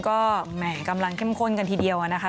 ก็แหม่กำลังเข้มข้นกันทีเดียวนะคะ